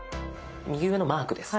右上のマークです。